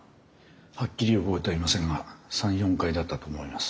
はっきり覚えていませんが３４回だったと思います。